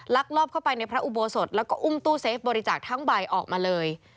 ลอบเข้าไปในพระอุโบสถแล้วก็อุ้มตู้เซฟบริจาคทั้งใบออกมาเลย